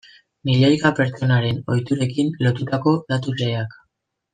Milioika pertsonaren ohiturekin lotutako datu xeheak.